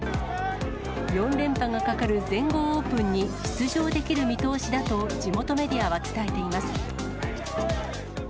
４連覇がかかる全豪オープンに出場できる見通しだと、地元メディアは伝えています。